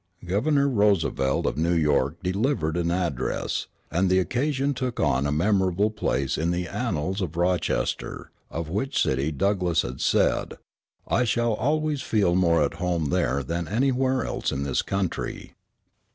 Governor Roosevelt of New York delivered an address; and the occasion took a memorable place in the annals of Rochester, of which city Douglass had said, "I shall always feel more at home there than anywhere else in this country."